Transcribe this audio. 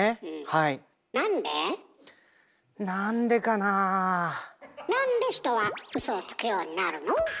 なんで人はウソをつくようになるの？